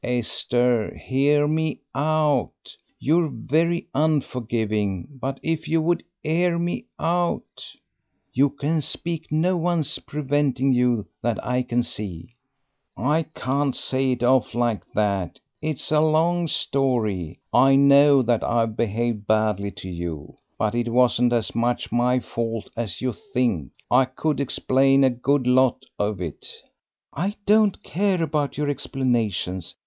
"Esther, hear me out; you're very unforgiving, but if you'd hear me out " "You can speak; no one's preventing you that I can see." "I can't say it off like that; it is a long story. I know that I've behaved badly to you, but it wasn't as much my fault as you think; I could explain a good lot of it." "I don't care about your explanations.